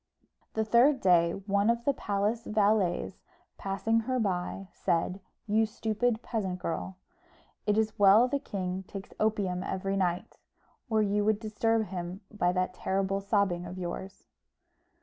The third day, one of the palace valets, passing her by, said, "You stupid peasant girl, it is well the king takes opium every night, or you would disturb him by that terrible sobbing of yours."